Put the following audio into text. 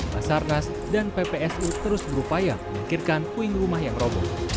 pasar nas dan ppsu terus berupaya mengakhirkan puing rumah yang roboh